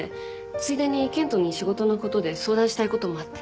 ついでに健人に仕事のことで相談したいこともあって。